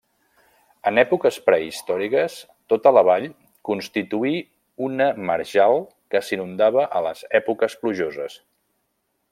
En èpoques prehistòriques tota la vall constituir una marjal que s'inundava a les èpoques plujoses.